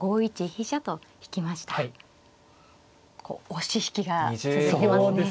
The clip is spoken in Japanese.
押し引きが続いてますね。